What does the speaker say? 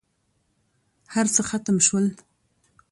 هرڅه ختم شول.